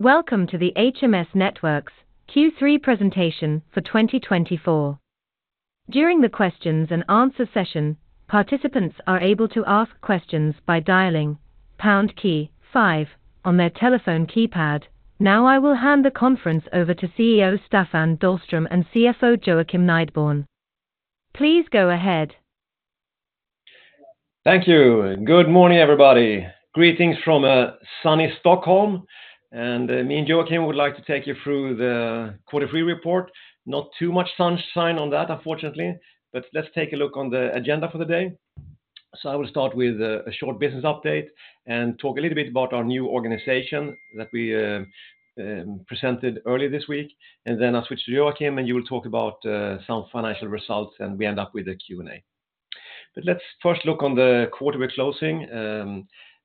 Welcome to the HMS Networks' Q3 Presentation for 2024. During the questions and answer session, participants are able to ask questions by dialing pound key five on their telephone keypad. Now, I will hand the conference over to CEO Staffan Dahlström and CFO Joakim Nideborn. Please go ahead. Thank you. Good morning, everybody. Greetings from sunny Stockholm, and me and Joakim would like to take you through the Quarter Three report. Not too much sunshine on that, unfortunately, but let's take a look on the agenda for the day. So I will start with a short business update and talk a little bit about our new organization that we presented earlier this week, and then I'll switch to Joakim, and you will talk about some financial results, and we end up with a Q&A. But let's first look on the quarter we're closing.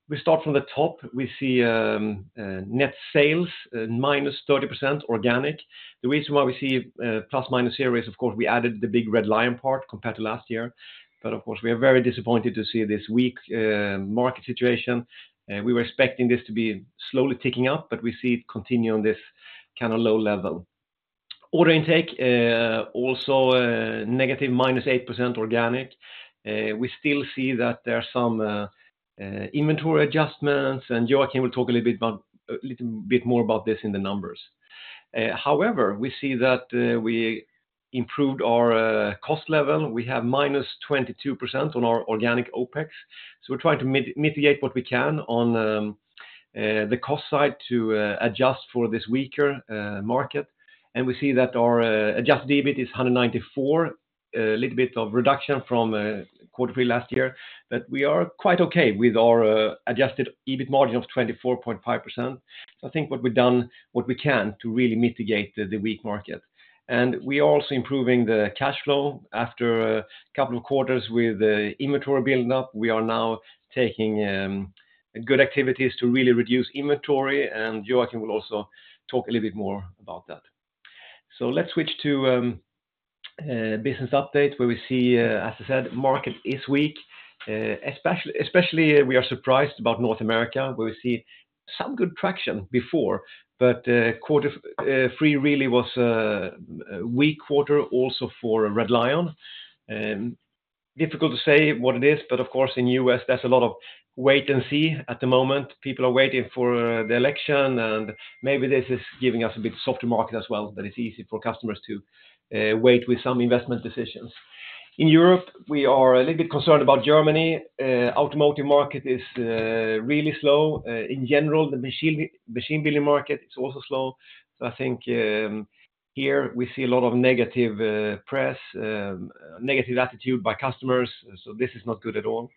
We start from the top. We see net sales minus 30% organic. The reason why we see plus, minus here is, of course, we added the big Red Lion part compared to last year, but of course, we are very disappointed to see this weak market situation. We were expecting this to be slowly ticking up, but we see it continuing this kind of low level. Order intake also negative, minus 8% organic. We still see that there are some inventory adjustments, and Joakim will talk a little bit more about this in the numbers. However, we see that we improved our cost level. We have minus 22% on our organic OpEx, so we're trying to mitigate what we can on the cost side to adjust for this weaker market. And we see that our adjusted EBIT is 194, a little bit of reduction from quarter three last year, but we are quite okay with our adjusted EBIT margin of 24.5%. So I think what we've done, what we can to really mitigate the weak market. And we are also improving the cash flow. After a couple of quarters with inventory building up, we are now taking good activities to really reduce inventory, and Joakim will also talk a little bit more about that. So let's switch to business update, where we see, as I said, market is weak. Especially we are surprised about North America, where we see some good traction before. But quarter three really was a weak quarter also for Red Lion.Difficult to say what it is, but of course, in U.S., there's a lot of wait and see at the moment. People are waiting for the election, and maybe this is giving us a bit softer market as well, but it's easy for customers to wait with some investment decisions. In Europe, we are a little bit concerned about Germany. Automotive market is really slow. In general, the machine building market is also slow. So I think, here we see a lot of negative press, negative attitude by customers, so this is not good at all.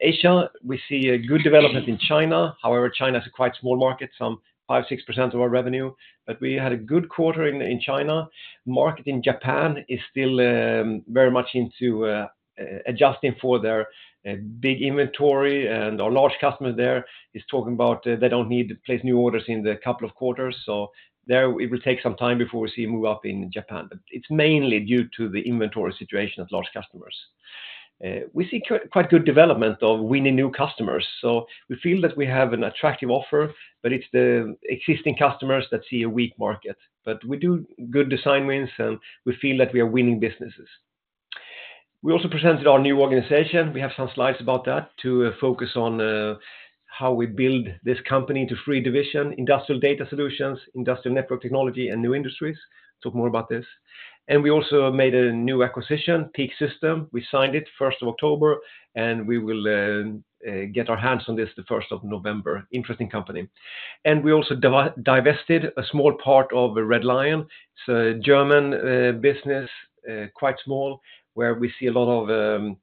Asia, we see a good development in China. However, China is a quite small market, some 5%-6% of our revenue, but we had a good quarter in China. Market in Japan is still very much into adjusting for their big inventory, and our large customer there is talking about they don't need to place new orders in the couple of quarters. So there, it will take some time before we see a move up in Japan, but it's mainly due to the inventory situation of large customers. We see quite good development of winning new customers, so we feel that we have an attractive offer, but it's the existing customers that see a weak market. But we do good design wins, and we feel that we are winning businesses. We also presented our new organization. We have some slides about that to focus on how we build this company into three division: Industrial Data Solutions, Industrial Network Technology, and New Industries. Talk more about this. And we also made a new acquisition, PEAK-System. We signed it first of October, and we will get our hands on this the first of November. Interesting company. And we also divested a small part of the Red Lion. It's a German business, quite small, where we see a lot of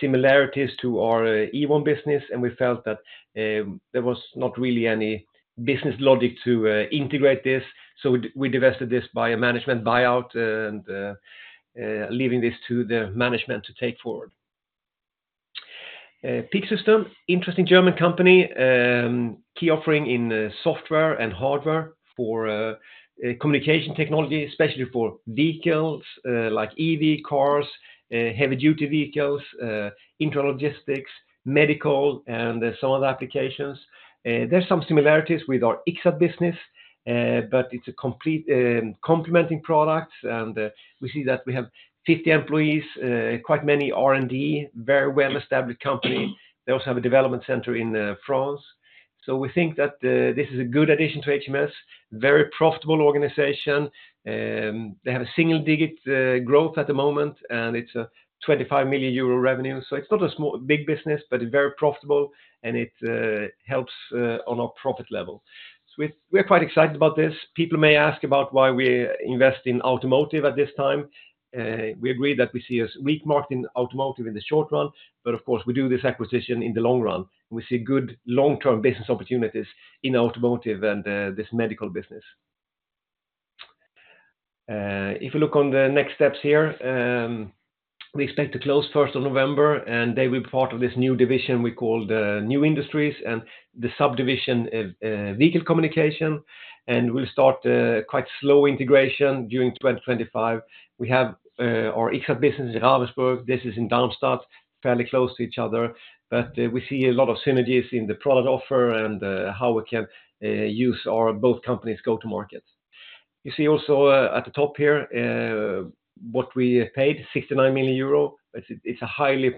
similarities to our Ewon business, and we felt that there was not really any business logic to integrate this, so we divested this by a management buyout, and leaving this to the management to take forward. PEAK-System, interesting German company, key offering in software and hardware for communication technology, especially for vehicles, like EV cars, heavy duty vehicles, internal logistics, medical, and some other applications. There's some similarities with our Ixxat business, but it's a complete, complementary products, and we see that we have 50 employees, quite many R&D, very well-established company. They also have a development center in France. So we think that this is a good addition to HMS, very profitable organization, they have a single-digit growth at the moment, and it's a 25 million euro revenue. So it's not a small... big business, but it's very profitable, and it helps on our profit level. So we're quite excited about this. People may ask about why we invest in automotive at this time. We agree that we see a weak market in automotive in the short run, but of course, we do this acquisition in the long run, and we see good long-term business opportunities in automotive and this medical business. If you look on the next steps here, we expect to close first of November, and they will be part of this new division we call the New Industries and the subdivision of Vehicle Communication, and we'll start a quite slow integration during 2025. We have our Ixxat business in Ravensburg. This is in Darmstadt, fairly close to each other, but we see a lot of synergies in the product offer and how we can use our both companies go to market. You see also at the top here what we paid, 69 million.It's a highly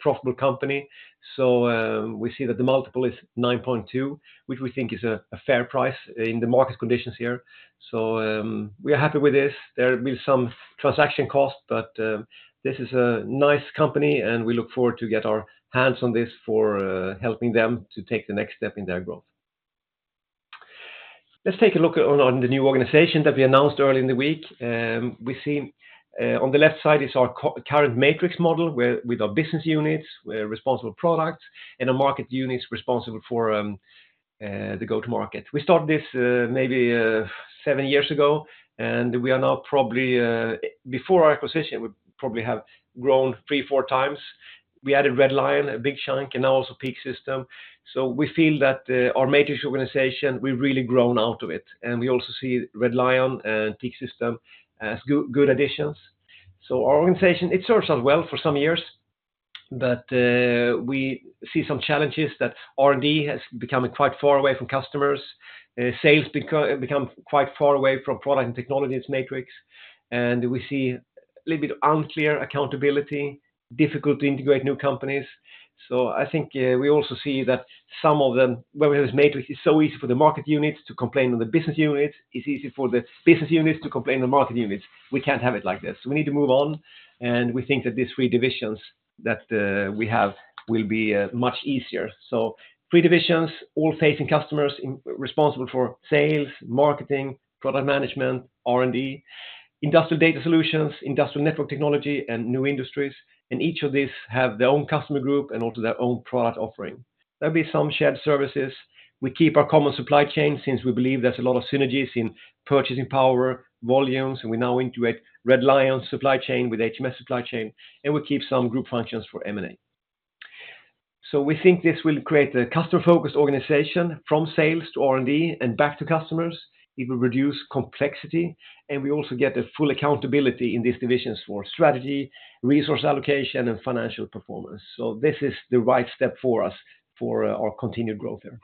profitable company, so we see that the multiple is 9.2, which we think is a fair price in the market conditions here. So we are happy with this. There will be some transaction costs, but this is a nice company, and we look forward to get our hands on this for helping them to take the next step in their growth. Let's take a look on the new organization that we announced early in the week. We see on the left side is our current matrix model, where with our business units, we're responsible for products, and the market unit is responsible for the go-to market. We started this maybe 7 years ago, and we are now probably before our acquisition, we probably have grown 3-4 times. We added Red Lion, Intesis, and now also Peak-System. So we feel that our matrix organization, we've really grown out of it, and we also see Red Lion and Peak-System as good, good additions. So our organization, it served us well for some years, but we see some challenges that R&D has become quite far away from customers. Sales become quite far away from product and technologies matrix, and we see a little bit of unclear accountability, difficult to integrate new companies. So I think we also see that some of them, where this matrix is so easy for the market units to complain to the business unit. It's easy for the business units to complain to the market units. We can't have it like this. We need to move on, and we think that these three divisions that we have will be much easier, so three divisions, all facing customers, responsible for sales, marketing, product management, R&D, industrial data solutions, industrial network technology, and new industries, and each of these have their own customer group and also their own product offering. There'll be some shared services. We keep our common supply chain, since we believe there's a lot of synergies in purchasing power, volumes, and we now integrate Red Lion supply chain with HMS supply chain, and we keep some group functions for M&A, so we think this will create a customer-focused organization from sales to R&D and back to customers. It will reduce complexity, and we also get a full accountability in these divisions for strategy, resource allocation, and financial performance. This is the right step for us for our continued growth here.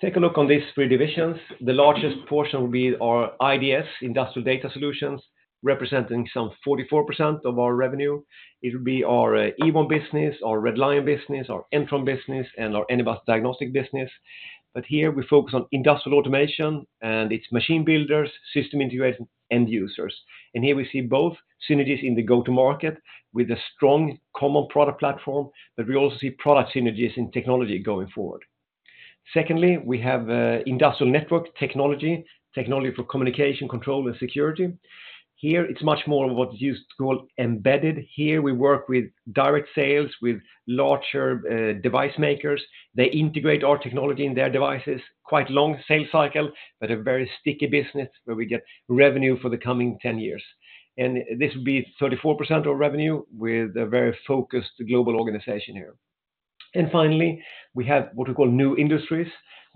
Take a look on these three divisions. The largest portion will be our IDS, Industrial Data Solutions, representing some 44% of our revenue. It will be our Ewon business, our Red Lion business, our Intesis business, and our Anybus Diagnostics business. But here we focus on industrial automation and its machine builders, system integrators, end users. Here we see both synergies in the go-to market with a strong common product platform, but we also see product synergies in technology going forward. Secondly, we have industrial network technology, technology for communication, control, and security. Here, it's much more of what's used to call embedded. Here, we work with direct sales, with larger device makers. They integrate our technology in their devices, quite long sales cycle, but a very sticky business where we get revenue for the coming 10 years. And this would be 34% of revenue with a very focused global organization here. And finally, we have what we call New Industries,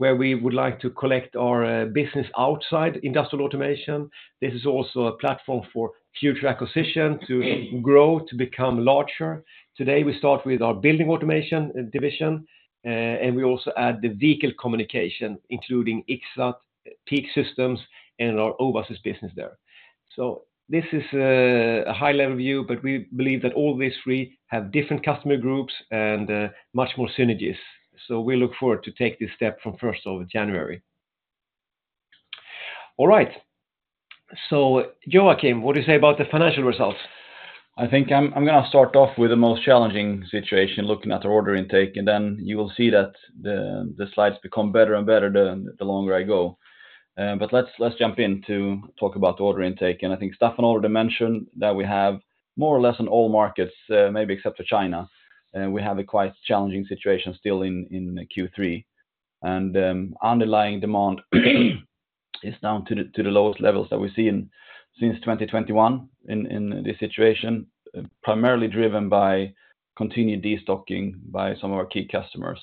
where we would like to collect our business outside industrial automation. This is also a platform for future acquisition to grow, to become larger. Today, we start with our Building Automation division, and we also add the vehicle communication, including Ixxat, Peak-System, and our Owasys' business there. So this is a high-level view, but we believe that all these three have different customer groups and much more synergies. So we look forward to take this step from first of January. All right. So Joakim, what do you say about the financial results? I think I'm gonna start off with the most challenging situation, looking at the order intake, and then you will see that the slides become better and better the longer I go. But let's jump in to talk about the order intake. And I think Staffan already mentioned that we have more or less in all markets, maybe except for China, we have a quite challenging situation still in Q3. And underlying demand is down to the lowest levels that we've seen since 2021 in this situation, primarily driven by continued destocking by some of our key customers.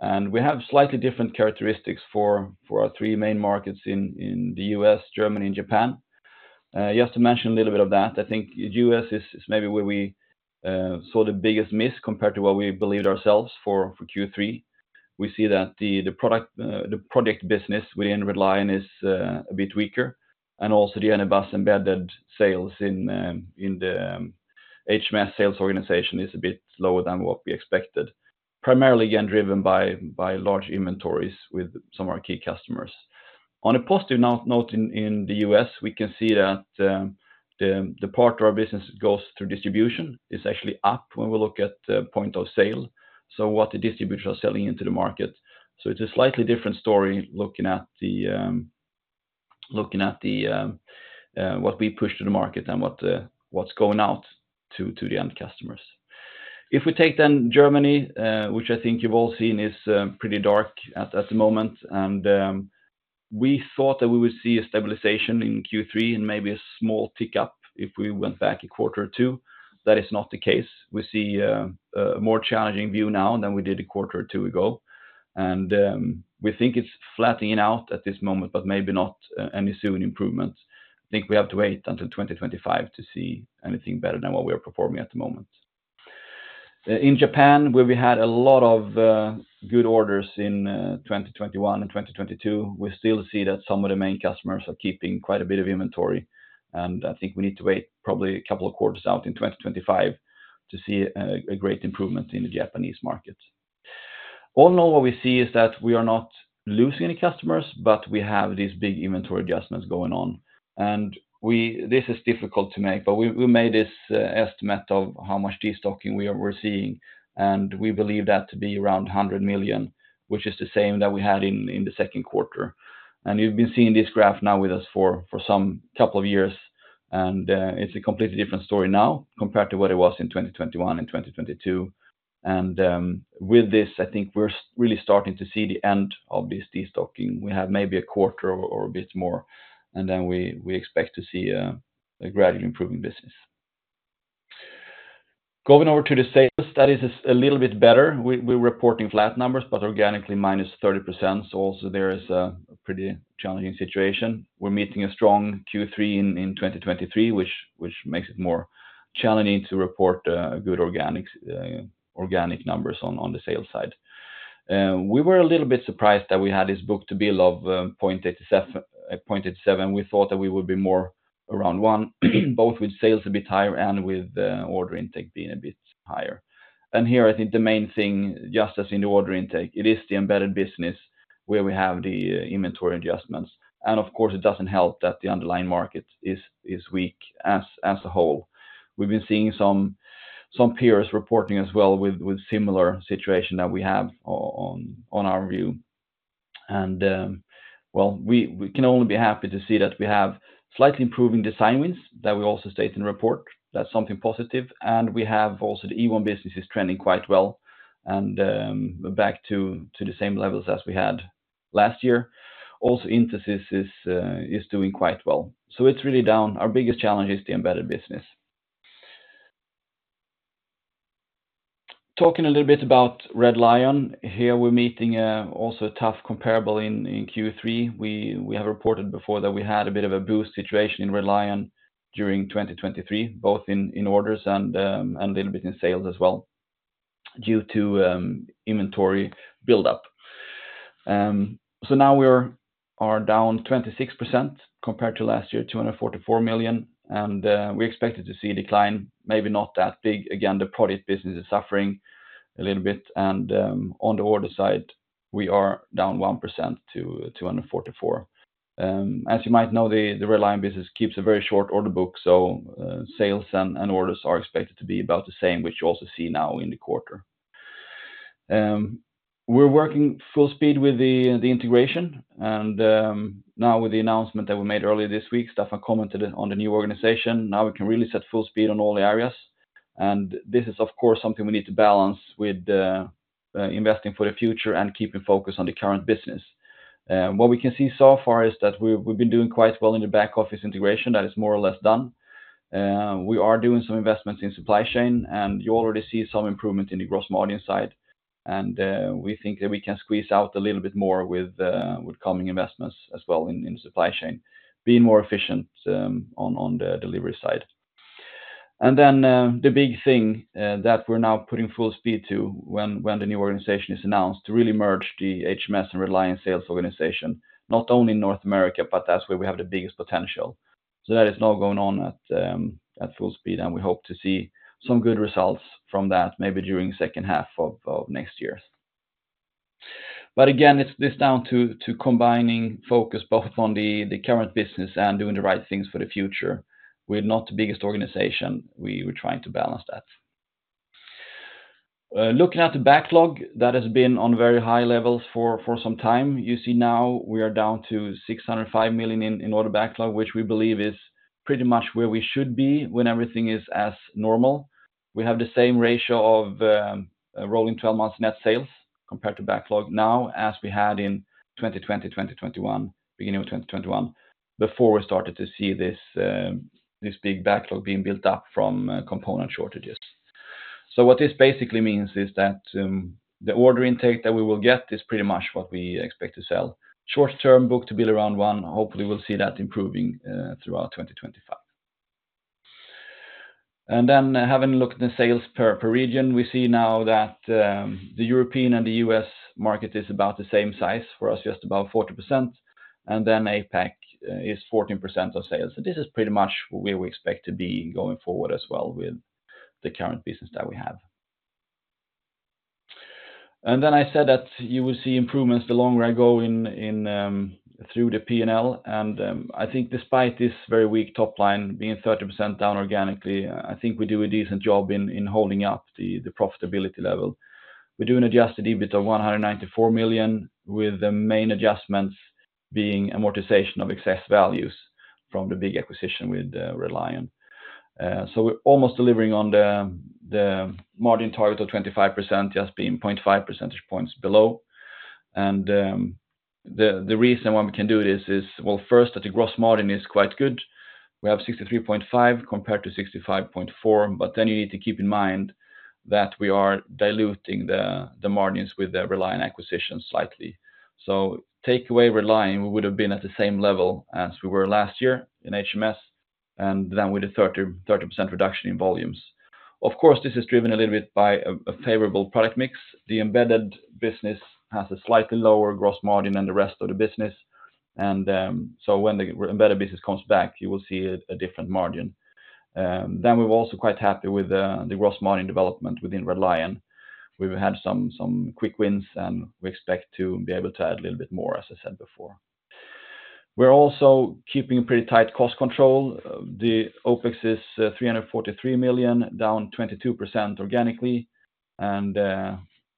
And we have slightly different characteristics for our three main markets in the U.S., Germany, and Japan.Just to mention a little bit of that, I think U.S. is maybe where we saw the biggest miss compared to what we believed ourselves for Q3. We see that the product, the project business within Red Lion is a bit weaker, and also the Anybus embedded sales in the HMS sales organization is a bit lower than what we expected, primarily again, driven by large inventories with some of our key customers. On a positive note in the U.S., we can see that the part of our business goes through distribution is actually up when we look at the point of sale, so what the distributors are selling into the market. So it's a slightly different story, looking at what we push to the market and what's going out to the end customers. If we take then Germany, which I think you've all seen, is pretty dark at the moment, and we thought that we would see a stabilization in Q3 and maybe a small tick up if we went back a quarter or two. That is not the case. We see a more challenging view now than we did a quarter or two ago. And we think it's flattening out at this moment, but maybe not any soon improvements. I think we have to wait until 2025 to see anything better than what we are performing at the moment.In Japan, where we had a lot of good orders in 2021 and 2022, we still see that some of the main customers are keeping quite a bit of inventory, and I think we need to wait probably a couple of quarters out in 2025 to see a great improvement in the Japanese market. All in all, what we see is that we are not losing any customers, but we have these big inventory adjustments going on. This is difficult to make, but we made this estimate of how much destocking we're seeing, and we believe that to be around 100 million, which is the same that we had in the second quarter. And you've been seeing this graph now with us for some couple of years, and it's a completely different story now compared to what it was in 2021 and 2022. And with this, I think we're really starting to see the end of this destocking. We have maybe a quarter or a bit more, and then we expect to see a gradually improving business. Going over to the sales, that is a little bit better. We're reporting flat numbers, but organically, minus 30%, so also there is a pretty challenging situation. We're meeting a strong Q3 in 2023, which makes it more challenging to report good organics, organic numbers on the sales side. We were a little bit surprised that we had this book-to-bill of 0.87. We thought that we would be more around 1, both with sales a bit higher and with order intake being a bit higher. And here, I think the main thing, just as in the order intake, it is the embedded business where we have the inventory adjustments. And of course, it doesn't help that the underlying market is weak as a whole. We've been seeing some peers reporting as well with similar situation that we have in our view. And well, we can only be happy to see that we have slightly improving design wins, that we also state in the report. That's something positive. And we have also the Ewon business is trending quite well, and back to the same levels as we had last year. Also, Intesis is doing quite well. So it's really down. Our biggest challenge is the embedded business. Talking a little bit about Red Lion. Here, we're meeting also a tough comparable in Q3. We have reported before that we had a bit of a boost situation in Red Lion during 2023, both in orders and a little bit in sales as well, due to inventory buildup. So now we are down 26% compared to last year, 244 million, and we expected to see a decline, maybe not that big. Again, the product business is suffering a little bit, and on the order side, we are down 1% to 244. As you might know, the Red Lion business keeps a very short order book, so sales and orders are expected to be about the same, which you also see now in the quarter. We're working full speed with the integration, and now with the announcement that we made earlier this week, Staffan commented on the new organization. Now we can really set full speed on all the areas, and this is, of course, something we need to balance with investing for the future and keeping focus on the current business. What we can see so far is that we've been doing quite well in the back office integration. That is more or less done. We are doing some investments in supply chain, and you already see some improvement in the gross margin side, and we think that we can squeeze out a little bit more with coming investments as well in supply chain, being more efficient on the delivery side, and then the big thing that we're now putting full speed to when the new organization is announced, to really merge the HMS and Red Lion sales organization, not only in North America, but that's where we have the biggest potential, so that is now going on at full speed, and we hope to see some good results from that, maybe during second half of next year, but again, it's this down to combining focus both on the current business and doing the right things for the future. We're not the biggest organization. We're trying to balance that. Looking at the backlog, that has been on very high levels for some time. You see now we are down to 605 million in order backlog, which we believe is pretty much where we should be when everything is as normal. We have the same ratio of rolling 12 months net sales compared to backlog now as we had in 2020, 2021, beginning of 2021, before we started to see this big backlog being built up from component shortages. So what this basically means is that the order intake that we will get is pretty much what we expect to sell. Short-term book-to-bill around one. Hopefully, we'll see that improving throughout 2025. And then, having a look at the sales per region, we see now that the European and the US market is about the same size for us, just about 40%, and then APAC is 14% of sales. So this is pretty much where we expect to be going forward as well with the current business that we have. And then I said that you will see improvements the longer I go in through the P&L. And I think despite this very weak top line being 30% down organically, I think we do a decent job in holding up the profitability level. We do an adjusted EBIT of 194 million, with the main adjustments being amortization of excess values from the big acquisition with Red Lion.So we're almost delivering on the margin target of 25%, just being 0.5 percentage points below. And the reason why we can do this is, well, first, that the gross margin is quite good. We have 63.5% compared to 65.4%, but then you need to keep in mind that we are diluting the margins with the Red Lion acquisition slightly. So take away Red Lion, we would have been at the same level as we were last year in HMS and then with a 30% reduction in volumes. Of course, this is driven a little bit by a favorable product mix. The embedded business has a slightly lower gross margin than the rest of the business, and so when the embedded business comes back, you will see a different margin. Then we're also quite happy with the gross margin development within Red Lion. We've had some quick wins, and we expect to be able to add a little bit more, as I said before. We're also keeping pretty tight cost control. The OpEx is 343 million, down 22% organically, and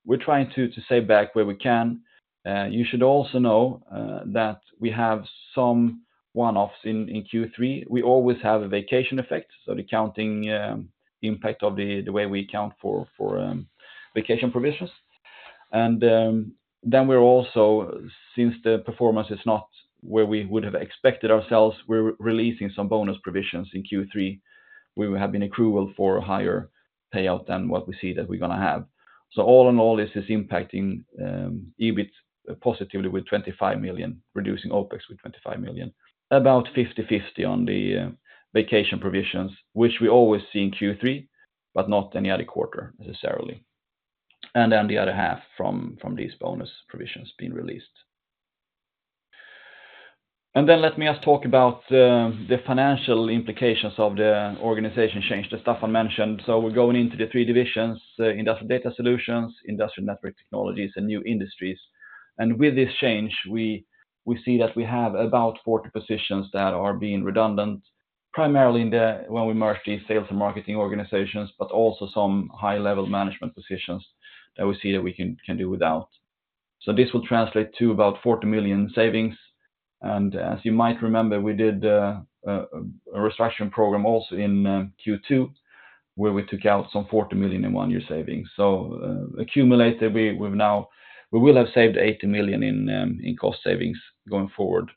we're trying to save back where we can. You should also know that we have some one-offs in Q3. We always have a vacation effect, so the accounting impact of the way we account for vacation provisions, and then we're also, since the performance is not where we would have expected ourselves, we're releasing some bonus provisions in Q3, where we have been accrued for higher payout than what we see that we're gonna have. So all in all, this is impacting EBIT positively with 25 million, reducing OpEx with 25 million. About 50/50 on the vacation provisions, which we always see in Q3, but not any other quarter, necessarily, and then the other half from these bonus provisions being released. And then let me just talk about the financial implications of the organization change that Staffan mentioned. So we're going into the three divisions, the Industrial Data Solutions, Industrial Network Technologies, and New Industries. And with this change, we see that we have about 40 positions that are being redundant, primarily in the... when we merge the sales and marketing organizations, but also some high-level management positions that we see that we can do without. So this will translate to about 40 million savings, and as you might remember, we did a restructuring program also in Q2, where we took out some 40 million in one-year savings. Accumulated, we will have saved 80 million in cost savings going forward.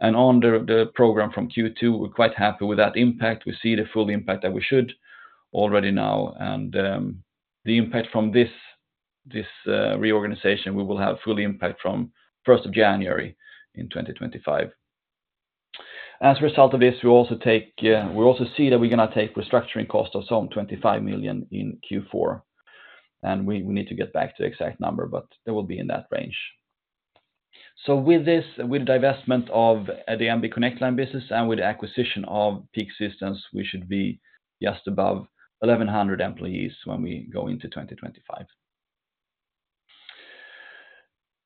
And on the program from Q2, we're quite happy with that impact. We see the full impact that we should already now, and the impact from this reorganization, we will have full impact from 1st of January in 2025. As a result of this, we'll also see that we're gonna take restructuring cost of some 25 million in Q4, and we need to get back to the exact number, but they will be in that range. With this, with the divestment of the MB Connect Line business and with the acquisition of PEAK-System, we should be just above 1,100 employees when we go into 2025.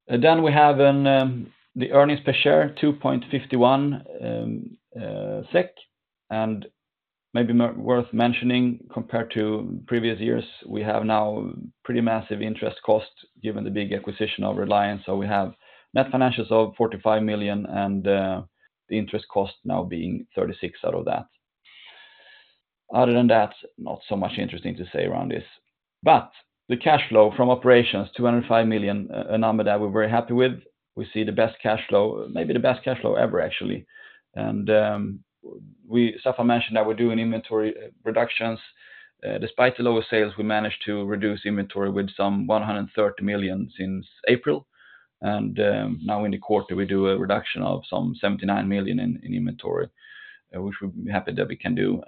And then we have the earnings per share, 2.51 SEK, and maybe worth mentioning, compared to previous years, we have now pretty massive interest costs, given the big acquisition of Red Lion. So we have net financials of 45 million SEK, and the interest cost now being 36 out of that. Other than that, not so much interesting to say around this. But the cash flow from operations, 205 million, a number that we're very happy with. We see the best cash flow, maybe the best cash flow ever, actually. And Staffan mentioned that we're doing inventory reductions. Despite the lower sales, we managed to reduce inventory with some 130 million since April. Now in the quarter, we do a reduction of some 79 million in inventory, which we're happy that we can do.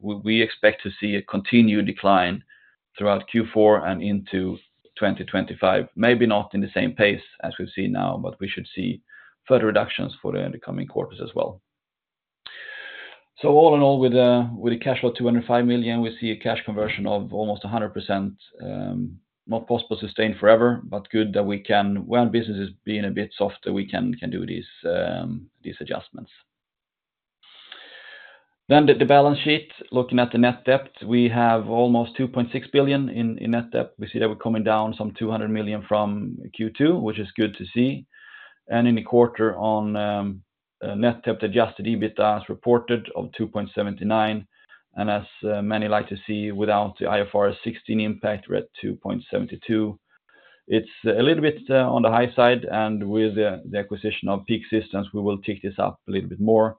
We expect to see a continued decline throughout Q4 and into 2025. Maybe not in the same pace as we've seen now, but we should see further reductions for the coming quarters as well so all in all, with the cash flow, 205 million, we see a cash conversion of almost 100%. Not possible to sustain forever, but good that we can. When business is being a bit softer, we can do these adjustments. Then the balance sheet, looking at the net debt, we have almost 2.6 billion in net debt. We see that we're coming down some 200 million from Q2, which is good to see. And in the quarter on net debt adjusted EBITDA as reported of 2.79, and as many like to see, without the IFRS 16 impact, we're at 2.72. It's a little bit on the high side, and with the acquisition of PEAK-System, we will take this up a little bit more.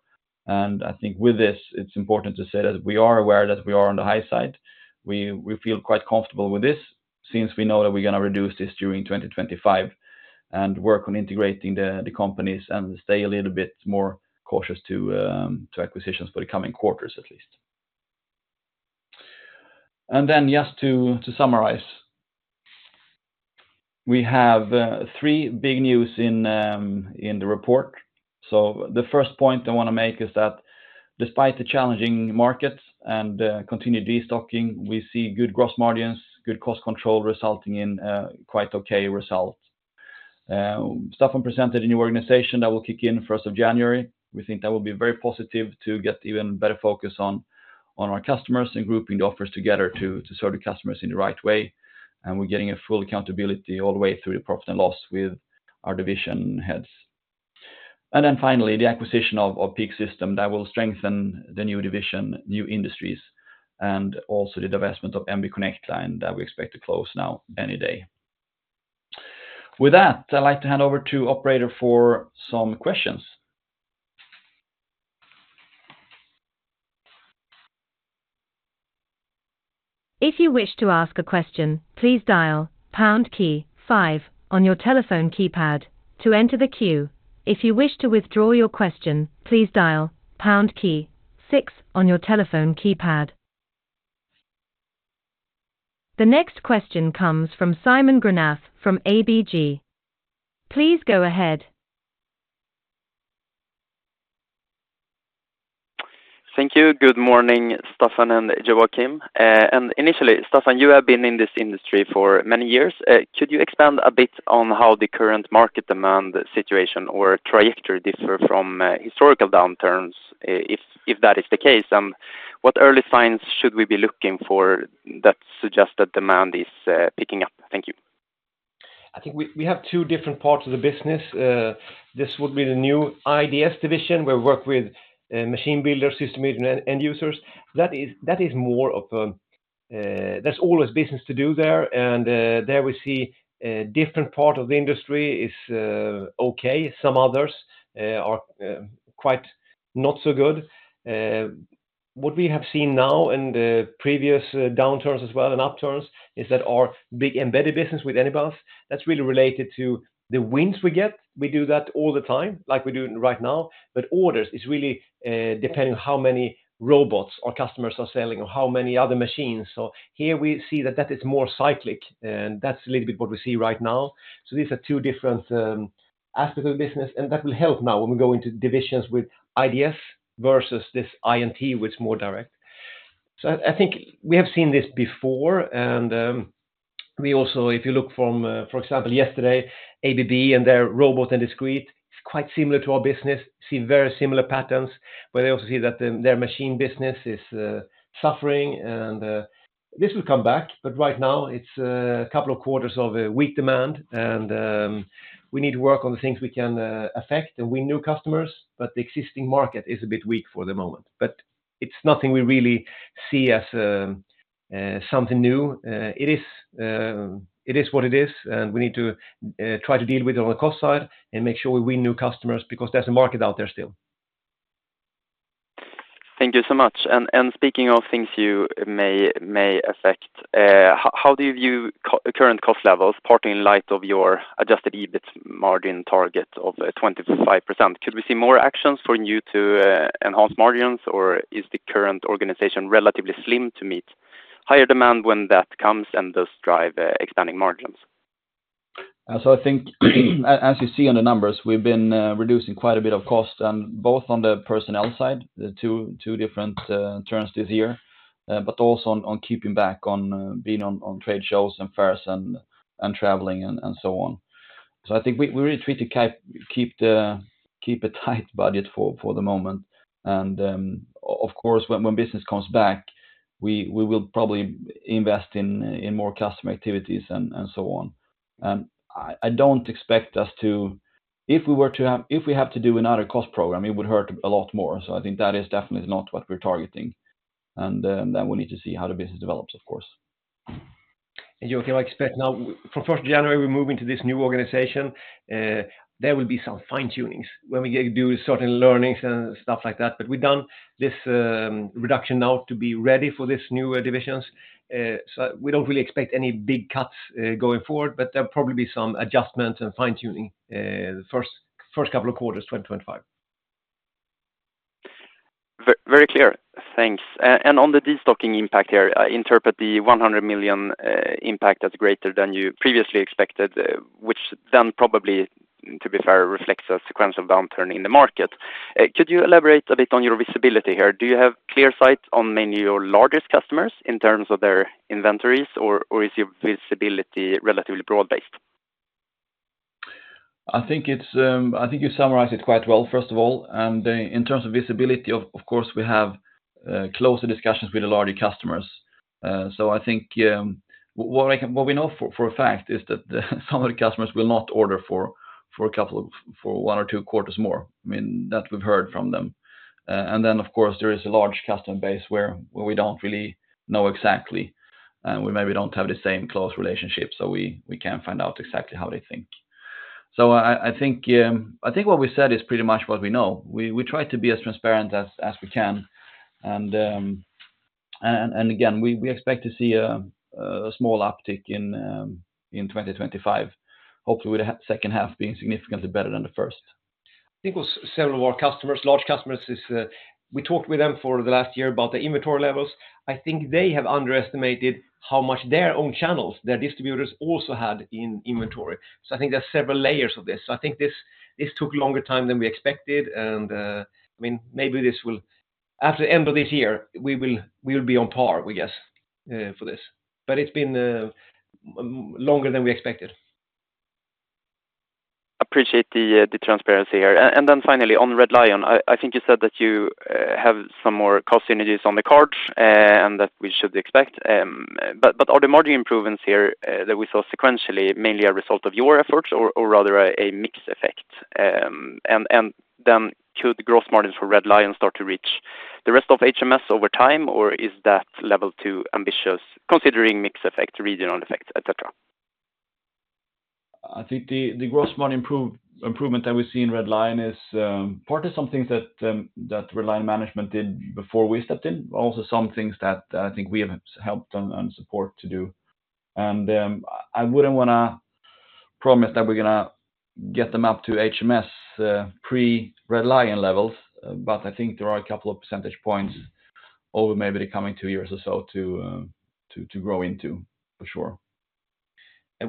And I think with this, it's important to say that we are aware that we are on the high side. We feel quite comfortable with this since we know that we're gonna reduce this during 2025 and work on integrating the companies and stay a little bit more cautious to acquisitions for the coming quarters, at least, and then just to summarize. We have three big news in the report, so the first point I wanna make is that despite the challenging markets and continued destocking, we see good gross margins, good cost control, resulting in a quite okay result. Staffan presented a new organization that will kick in 1st of January. We think that will be very positive to get even better focus on our customers and grouping the offers together to serve the customers in the right way, and we're getting a full accountability all the way through the profit and loss with our division heads. And then finally, the acquisition of PEAK-System that will strengthen the New Industries division, and also the divestment of MB Connect Line that we expect to close now any day. With that, I'd like to hand over to operator for some questions.... If you wish to ask a question, please dial pound key five on your telephone keypad to enter the queue. If you wish to withdraw your question, please dial pound key six on your telephone keypad. The next question comes from Simon Granath from ABG. Please go ahead. Thank you. Good morning, Staffan and Joakim. Initially, Staffan, you have been in this industry for many years. Could you expand a bit on how the current market demand, situation, or trajectory differ from historical downturns, if that is the case? What early signs should we be looking for that suggest that demand is picking up? Thank you. I think we have two different parts of the business. This would be the new IDS division, where we work with machine builders, system integrators, and end users. That is more of. There's always business to do there, and there we see a different part of the industry is okay. Some others are quite not so good. What we have seen now in the previous downturns as well, and upturns, is that our big embedded business with Anybus, that's really related to the wins we get. We do that all the time, like we do right now, but orders is really depending on how many robots our customers are selling or how many other machines. So here we see that that is more cyclic, and that's a little bit what we see right now. These are two different aspects of the business, and that will help now when we go into divisions with IDS versus this INT, which is more direct. I think we have seen this before, and we also, if you look from, for example, yesterday, ABB and their robot and discrete, it's quite similar to our business. See very similar patterns, but they also see that their machine business is suffering, and this will come back, but right now it's a couple of quarters of a weak demand, and we need to work on the things we can affect, and win new customers, but the existing market is a bit weak for the moment. But it's nothing we really see as something new.It is what it is, and we need to try to deal with it on the cost side and make sure we win new customers, because there's a market out there still. Thank you so much, and speaking of things you may affect, how do you view current cost levels, partly in light of your adjusted EBIT margin target of 25%? Could we see more actions for you to enhance margins, or is the current organization relatively slim to meet higher demand when that comes and thus drive expanding margins? So I think, as you see in the numbers, we've been reducing quite a bit of cost, and both on the personnel side, the two different terms this year, but also on keeping back on being on trade shows and fairs and traveling, and so on. So I think we really try to keep a tight budget for the moment. Of course, when business comes back, we will probably invest in more customer activities and so on. And I don't expect us to. If we have to do another cost program, it would hurt a lot more. So I think that is definitely not what we're targeting. Then we'll need to see how the business develops, of course. You can expect now, from first January, we're moving to this new organization. There will be some fine-tunings when we get to do certain learnings and stuff like that. But we've done this reduction now to be ready for this new divisions. So we don't really expect any big cuts going forward, but there'll probably be some adjustments and fine-tuning the first couple of quarters, 2025. Very clear. Thanks. And on the destocking impact here, I interpret the 100 million impact as greater than you previously expected, which then probably, to be fair, reflects a sequential downturn in the market. Could you elaborate a bit on your visibility here? Do you have clear sight on many of your largest customers in terms of their inventories, or is your visibility relatively broad-based? I think you summarized it quite well, first of all. And in terms of visibility, of course, we have closer discussions with the larger customers. So I think what we know for a fact is that some of the customers will not order for one or two quarters more. I mean, that we've heard from them. And then, of course, there is a large customer base where we don't really know exactly, and we maybe don't have the same close relationship, so we can't find out exactly how they think. So I think what we said is pretty much what we know. We try to be as transparent as we can. Again, we expect to see a small uptick in 2025, hopefully with the second half being significantly better than the first. I think with several of our customers, large customers, we talked with them for the last year about the inventory levels. I think they have underestimated how much their own channels, their distributors, also had in inventory. So I think there are several layers of this. So I think this, this took a longer time than we expected, and, I mean, maybe this will, after the end of this year, we will, we will be on par, we guess, for this. But it's been longer than we expected. Appreciate the transparency here. And then finally, on Red Lion, I think you said that you have some more cost synergies on the cards, and that we should expect, but are the margin improvements here that we saw sequentially mainly a result of your efforts or rather a mix effect? And then could the gross margins for Red Lion start to reach the rest of HMS over time, or is that level too ambitious, considering mix effect, regional effects, et cetera? ... I think the gross margin improvement that we see in Red Lion is part of some things that Red Lion management did before we stepped in, but also some things that I think we have helped them and support to do. And I wouldn't wanna promise that we're gonna get them up to HMS pre-Red Lion levels, but I think there are a couple of percentage points over maybe the coming two years or so to grow into, for sure. I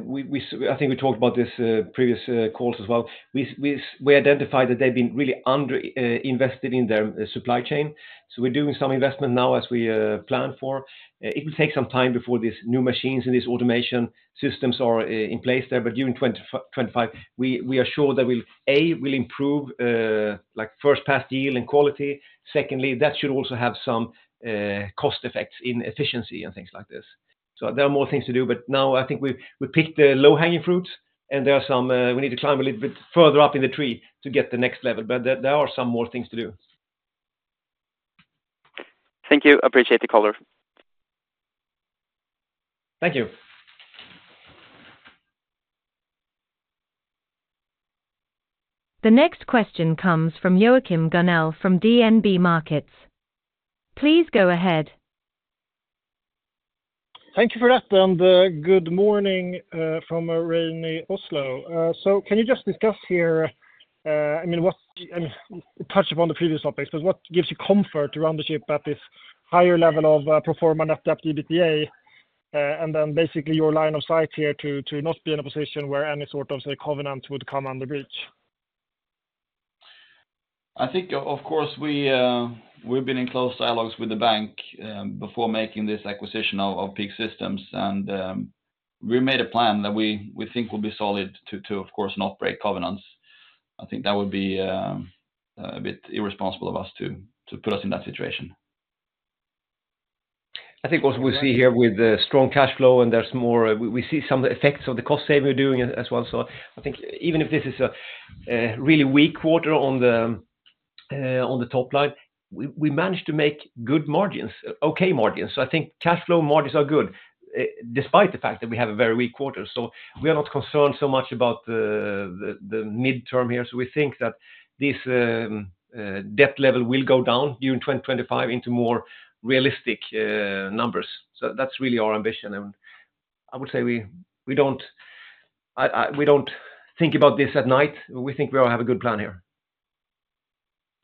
think we talked about this previous calls as well. We identified that they've been really underinvested in their supply chain. So we're doing some investment now as we plan for. It will take some time before these new machines and these automation systems are in place there, but during 2025, we are sure that we'll improve, like, first pass yield and quality. Secondly, that should also have some cost effects in efficiency and things like this. So there are more things to do, but now I think we've picked the low-hanging fruit, and we need to climb a little bit further up in the tree to get the next level, but there are some more things to do. Thank you. Appreciate the call. Thank you. The next question comes from Joachim Gunell from DNB Markets. Please go ahead. Thank you for that, and good morning from a rainy Oslo. So can you just discuss here, I mean, touch upon the previous topics, but what gives you comfort around the shift at this higher level of performance after EBITDA, and then basically your line of sight here to not be in a position where any sort of, say, covenant would come under breach? I think, of course, we have been in close dialogues with the bank before making this acquisition of PEAK-System, and we made a plan that we think will be solid to, of course, not break covenants. I think that would be a bit irresponsible of us to put us in that situation. I think what we see here with the strong cash flow, and there's more. We see some of the effects of the cost saving we're doing as well. So I think even if this is a really weak quarter on the top line, we managed to make good margins, okay margins. So I think cash flow margins are good, despite the fact that we have a very weak quarter. So we are not concerned so much about the midterm here. So we think that this debt level will go down during 2025 into more realistic numbers. So that's really our ambition, and I would say we don't think about this at night. We think we all have a good plan here.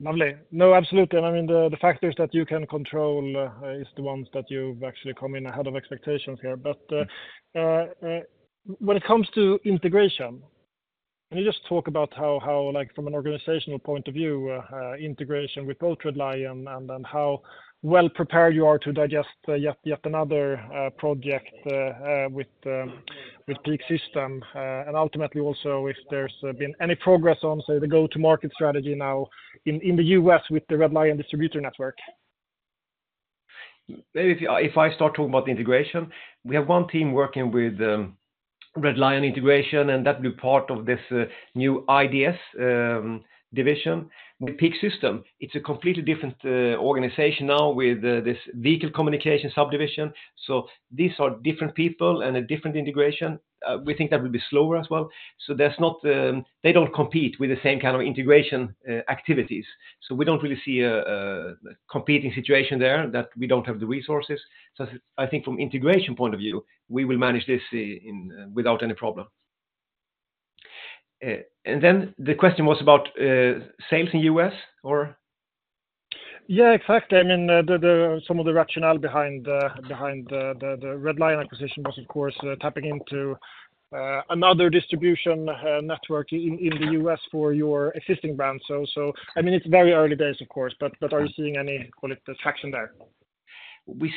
Lovely. No, absolutely. And I mean, the factors that you can control is the ones that you've actually come in ahead of expectations here. But when it comes to integration, can you just talk about how, like, from an organizational point of view, integration with both Red Lion and how well prepared you are to digest yet another project with PEAK-System? And ultimately, also, if there's been any progress on, say, the go-to-market strategy now in the U.S. with the Red Lion distributor network. Maybe if I start talking about integration, we have one team working with Red Lion integration, and that will be part of this New Industries division. With PEAK-System, it's a completely different organization now with this vehicle communication subdivision. So these are different people and a different integration. We think that will be slower as well. So there's not... They don't compete with the same kind of integration activities. So we don't really see a competing situation there, that we don't have the resources. So I think from integration point of view, we will manage this without any problem. And then the question was about sales in U.S. or? Yeah, exactly. I mean, some of the rationale behind the Red Lion acquisition was, of course, tapping into another distribution network in the U.S. for your existing brand. So, I mean, it's very early days, of course, but are you seeing any, call it, traction there? We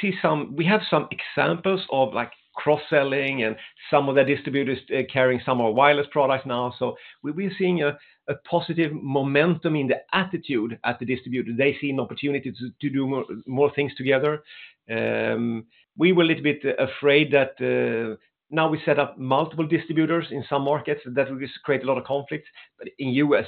have some examples of, like, cross-selling and some of the distributors carrying some of our wireless products now. So we've been seeing a positive momentum in the attitude at the distributor. They see an opportunity to do more things together. We were a little bit afraid that now we set up multiple distributors in some markets, that will just create a lot of conflict, but in U.S.,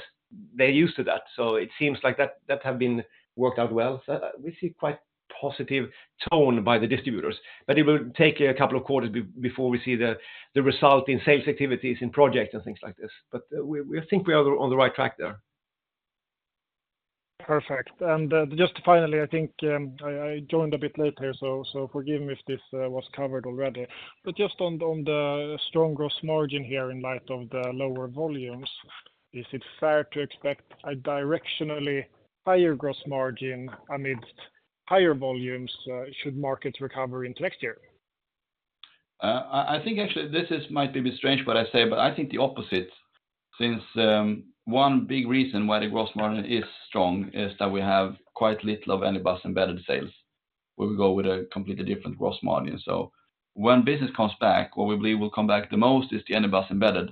they're used to that. So it seems like that have been worked out well. So we see quite positive tone by the distributors, but it will take a couple of quarters before we see the result in sales activities, in project, and things like this. But we think we are on the right track there. Perfect. And just finally, I think, I joined a bit later, so forgive me if this was covered already. But just on the strong growth margin here in light of the lower volumes, is it fair to expect a directionally higher gross margin amidst higher volumes should markets recover into next year? I think actually this might be a bit strange what I say, but I think the opposite, since one big reason why the gross margin is strong is that we have quite little of Anybus embedded sales, where we go with a completely different gross margin. So when business comes back, what we believe will come back the most is the Anybus embedded.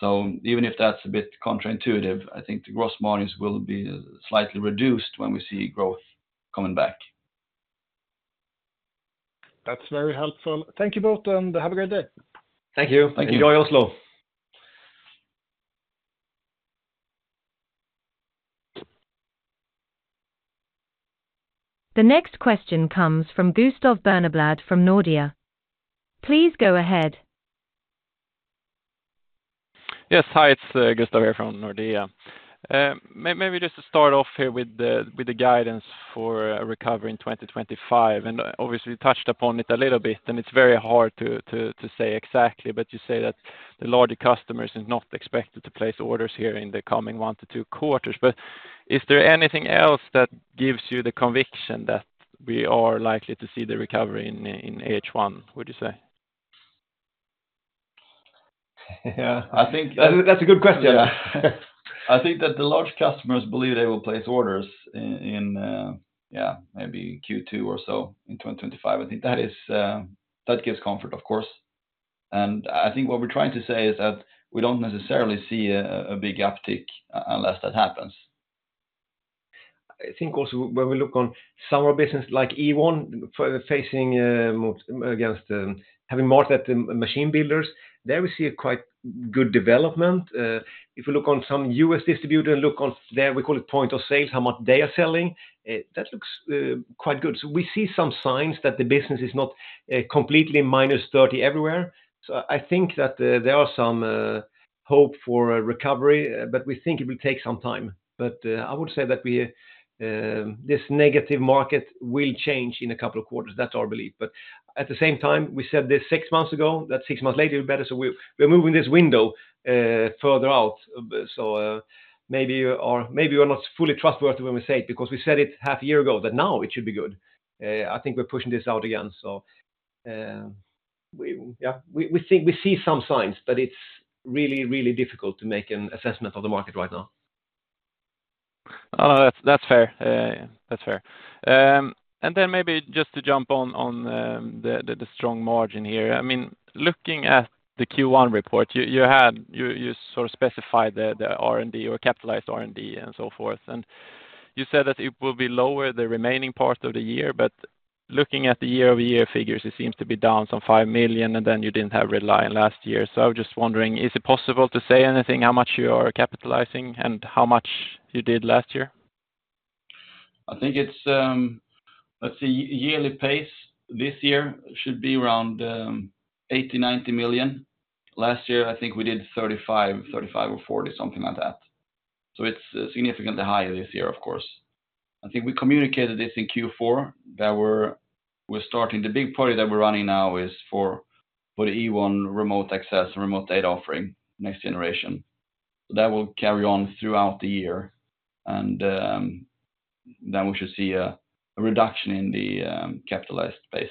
So even if that's a bit counterintuitive, I think the gross margins will be slightly reduced when we see growth coming back. That's very helpful. Thank you both, and have a great day. Thank you. Thank you. Enjoy Oslo.... The next question comes from Gustav Berneblad from Nordea. Please go ahead. Yes. Hi, it's Gustav here from Nordea. Maybe just to start off here with the guidance for a recovery in 2025, and obviously, you touched upon it a little bit, and it's very hard to say exactly, but you say that the larger customers is not expected to place orders here in the coming one to two quarters. But is there anything else that gives you the conviction that we are likely to see the recovery in H1, would you say? Yeah, I think- That, that's a good question. I think that the large customers believe they will place orders in, yeah, maybe Q2 or so in 2025. I think that is, that gives comfort, of course. And I think what we're trying to say is that we don't necessarily see a big uptick unless that happens. I think also when we look on some of our business, like Ewon facing against having more at the machine builders, there we see a quite good development. If you look on some US distributor, look on there, we call it point of sales, how much they are selling, that looks quite good, so we see some signs that the business is not completely minus thirty everywhere, so I think that there are some hope for a recovery, but we think it will take some time. But I would say that we this negative market will change in a couple of quarters. That's our belief. But at the same time, we said this six months ago, that six months later better, so we're moving this window further out. So, maybe you are, maybe we're not fully trustworthy when we say it, because we said it half a year ago, that now it should be good. I think we're pushing this out again, so, yeah, we think we see some signs, but it's really, really difficult to make an assessment of the market right now. That's fair. Then maybe just to jump on the strong margin here. I mean, looking at the Q1 report, you had sort of specified the R&D or capitalized R&D and so forth, and you said that it will be lower the remaining part of the year, but looking at the year-over-year figures, it seems to be down some 5 million, and then you didn't have Red Lion last year. So I was just wondering, is it possible to say anything, how much you are capitalizing and how much you did last year? I think it's, let's see, yearly pace this year should be around 80million-90 million. Last year, I think we did 35 million or 40 million, something like that. So it's significantly higher this year, of course. I think we communicated this in Q4, that we're starting. The big project that we're running now is for the Ewon remote access and remote data offering, next generation. That will carry on throughout the year, and then we should see a reduction in the capitalized base.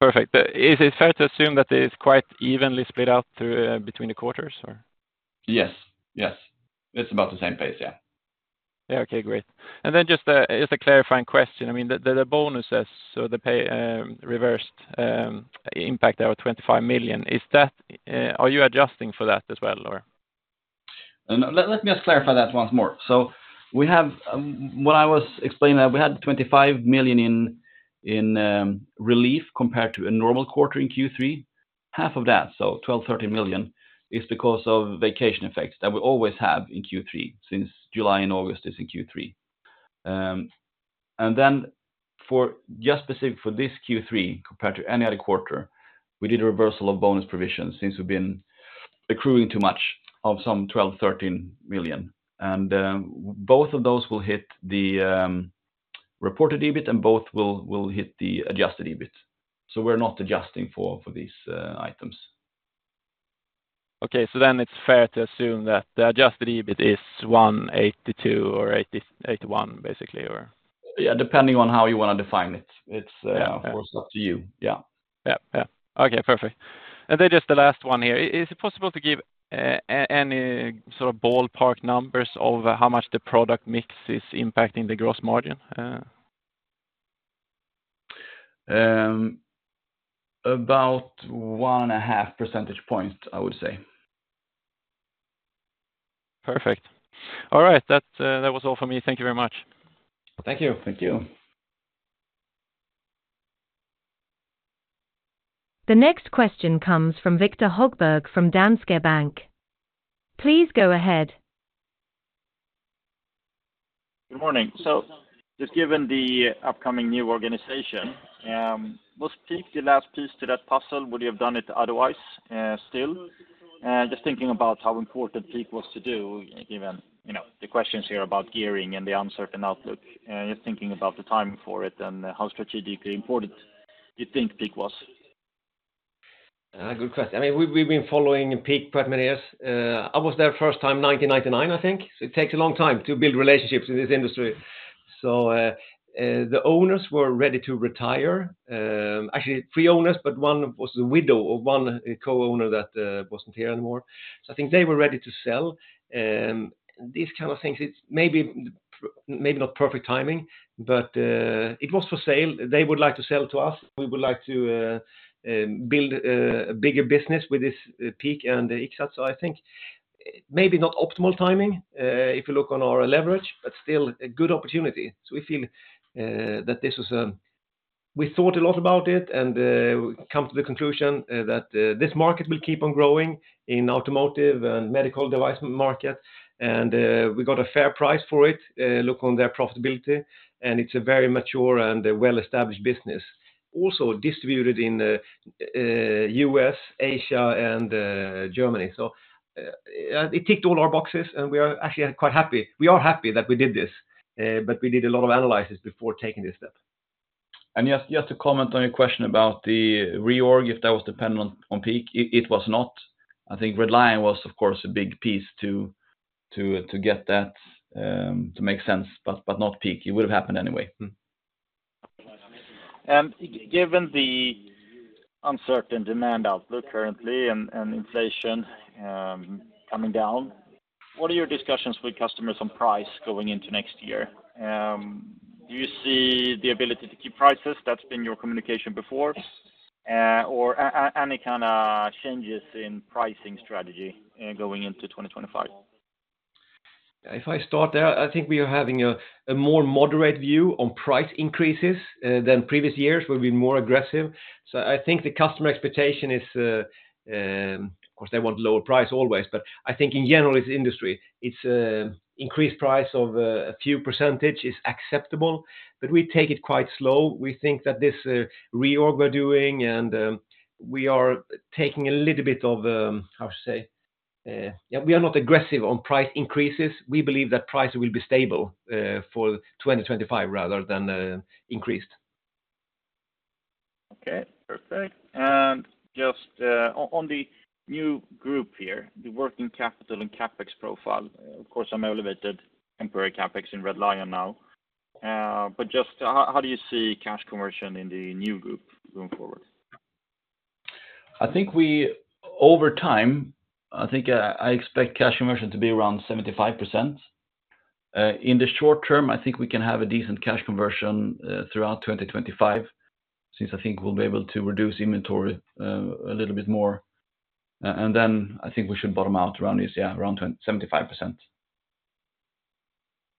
Perfect. Is it fair to assume that it's quite evenly split out through between the quarters, or? Yes. Yes. It's about the same pace, yeah. Yeah, okay. Great. And then just a clarifying question. I mean, the bonuses, so the pay, reversed impact our 25 million. Is that... Are you adjusting for that as well, or? Let me just clarify that once more, so we have, when I was explaining that, we had 25 million in relief compared to a normal quarter in Q3. Half of that, so 12 million-13 million, is because of vacation effects that we always have in Q3 since July and August is in Q3, and then just specific for this Q3, compared to any other quarter, we did a reversal of bonus provisions since we've been accruing too much of some 12 million-13 million, and both of those will hit the reported EBIT, and both will hit the adjusted EBIT, so we're not adjusting for these items. Okay, so then it's fair to assume that the Adjusted EBIT is 182 or 80, 81, basically, or? Yeah, depending on how you want to define it. It's Yeah... of course, up to you. Yeah. Yep. Yeah. Okay, perfect. And then just the last one here. Is it possible to give any sort of ballpark numbers of how much the product mix is impacting the gross margin? About one and a half percentage point, I would say. Perfect. All right, that, that was all for me. Thank you very much. Thank you. Thank you. The next question comes from Viktor Högberg, from Danske Bank. Please go ahead. Good morning. So just given the upcoming new organization, was Peak the last piece to that puzzle? Would you have done it otherwise, still? Just thinking about how important Peak was to do, given, you know, the questions here about gearing and the uncertain outlook, just thinking about the timing for it and how strategically important you think Peak was. Good question. I mean, we've been following Peak quite many years. I was there first time 1999, I think. So it takes a long time to build relationships in this industry. So the owners were ready to retire, actually, three owners, but one was the widow of one co-owner that wasn't here anymore. So I think they were ready to sell these kind of things. It's maybe not perfect timing, but it was for sale. They would like to sell to us. We would like to build a bigger business with this Peak and Ixxat. So I think maybe not optimal timing if you look on our leverage, but still a good opportunity. So we feel that this was... We thought a lot about it, and we come to the conclusion that this market will keep on growing in automotive and medical device market, and we got a fair price for it. Look on their profitability, and it's a very mature and a well-established business. Also distributed in U.S., Asia, and Germany. So it ticked all our boxes, and we are actually quite happy. We are happy that we did this, but we did a lot of analysis before taking this step. Just to comment on your question about the reorg, if that was dependent on Peak, it was not. I think Red Lion was, of course, a big piece to get that to make sense, but not Peak. It would have happened anyway. Given the uncertain demand outlook currently and inflation coming down, what are your discussions with customers on price going into next year? Do you see the ability to keep prices? That's been your communication before. Or any kinda changes in pricing strategy going into 2025? If I start there, I think we are having a more moderate view on price increases than previous years. We'll be more aggressive. So I think the customer expectation is, of course, they want lower price always, but I think in general, it's industry. It's increased price of a few percentage is acceptable, but we take it quite slow. We think that this reorg we're doing and we are taking a little bit of how to say? We are not aggressive on price increases. We believe that price will be stable for 2025, rather than increased. Okay, perfect. And just on the new group here, the working capital and CapEx profile, of course, we have elevated temporary CapEx in Red Lion now. But just how do you see cash conversion in the new group going forward? I think we over time, I think, I expect cash conversion to be around 75%. In the short term, I think we can have a decent cash conversion throughout 2025, since I think we'll be able to reduce inventory a little bit more. And then I think we should bottom out around this, yeah, around then, 75%.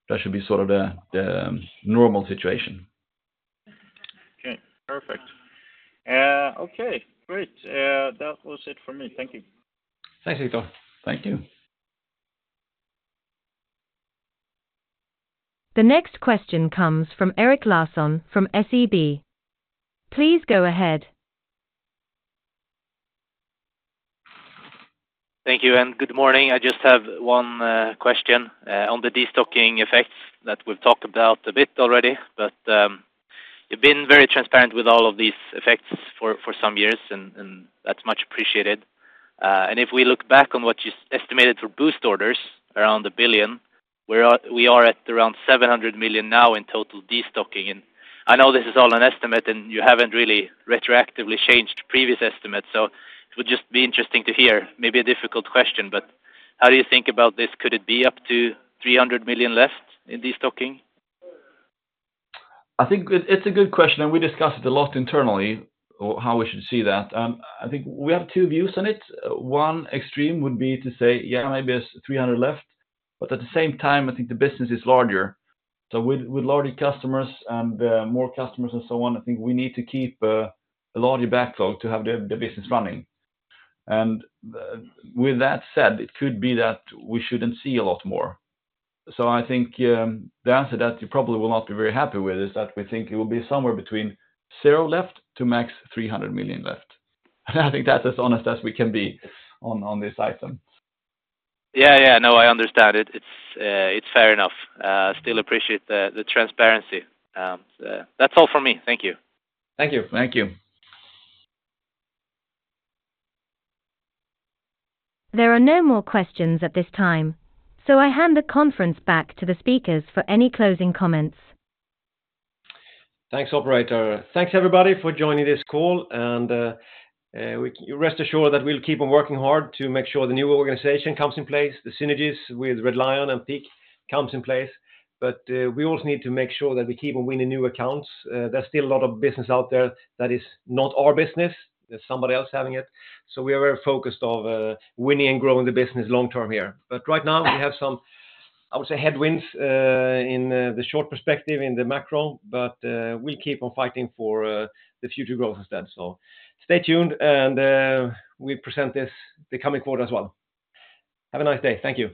That should be sort of the normal situation. Okay, perfect. Okay, great. That was it for me. Thank you. Thanks, Viktor. Thank you. The next question comes from Erik Larsson from SEB. Please go ahead. Thank you, and good morning. I just have one question on the destocking effects that we've talked about a bit already, but you've been very transparent with all of these effects for some years, and that's much appreciated. And if we look back on what you estimated for lost orders around a billion, we are at around 700 million now in total destocking. And I know this is all an estimate, and you haven't really retroactively changed previous estimates, so it would just be interesting to hear. Maybe a difficult question, but how do you think about this? Could it be up to 300 million left in destocking? I think it, it's a good question, and we discussed it a lot internally, on how we should see that. I think we have two views on it. One extreme would be to say, yeah, maybe it's 300 million left, but at the same time, I think the business is larger. So with larger customers and more customers and so on, I think we need to keep a larger backlog to have the business running. And with that said, it could be that we shouldn't see a lot more. So I think the answer that you probably will not be very happy with is that we think it will be somewhere between zero left to max 300 million left. I think that's as honest as we can be on this item. Yeah, yeah. No, I understand it. It's fair enough. Still appreciate the transparency. That's all for me. Thank you. Thank you. Thank you. There are no more questions at this time, so I hand the conference back to the speakers for any closing comments. Thanks, operator. Thanks, everybody, for joining this call, and rest assured that we'll keep on working hard to make sure the new organization comes in place, the synergies with Red Lion and Peak comes in place. But we also need to make sure that we keep on winning new accounts. There's still a lot of business out there that is not our business, there's somebody else having it. So we are very focused on winning and growing the business long term here. But right now, we have some, I would say, headwinds in the short perspective, in the macro, but we keep on fighting for the future growth instead. So stay tuned, and we present this the coming quarter as well. Have a nice day. Thank you.